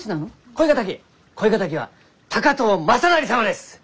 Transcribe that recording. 恋敵は高藤雅修様です！